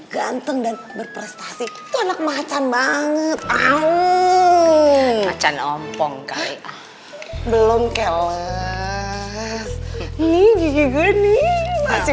ganteng dan berprestasi anak macan banget awu macan ompong kali belum kelas ini juga nih masih